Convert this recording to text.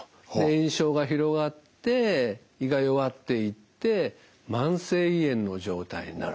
炎症が広がって胃が弱っていって慢性胃炎の状態になると。